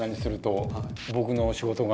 僕の仕事が。